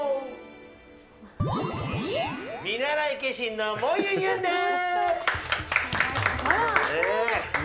見習い化身のもゆゆんです。